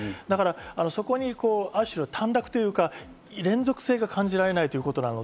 そこにある種の短絡というか、連続性が感じられない。